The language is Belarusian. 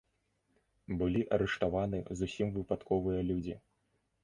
Былі арыштаваны зусім выпадковыя людзі.